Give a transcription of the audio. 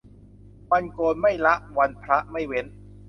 วันโกนไม่ละวันพระไม่เว้น